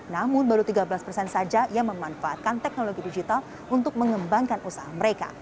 namun baru tiga belas persen saja yang memanfaatkan teknologi digital untuk mengembangkan usaha mereka